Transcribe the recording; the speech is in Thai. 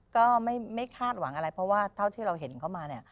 ก็ไม่คาดหวังอะไรเพราะว่าเท่าที่เราเห็นเข้ามาเนี่ย